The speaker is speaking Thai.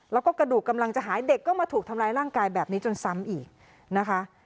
แล้วก็กระดูกกำลังจะหายเด็กก็มาถูกทำร้ายร่างกายแบบนี้จนซ้ำอีกนะคะ